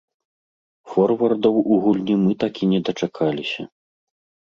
Форвардаў у гульні мы так і не дачакаліся.